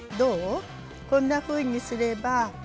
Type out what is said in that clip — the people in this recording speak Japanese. こんなふうにすれば。